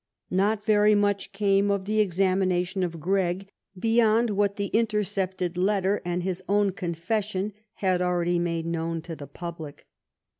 Not very much came of the examination of Gregg beyond what the intercepted letter and his own con fession had already made known to the public.